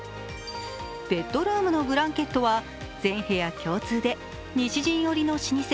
ベッドルームのブランケットは全部屋共通で西陣織の老舗